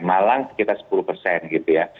malang sekitar sepuluh persen gitu ya